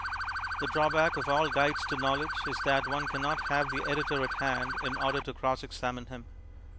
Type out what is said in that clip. The drawback of all Guides to Knowledge is that one cannot have the editor at hand in order to cross examine him.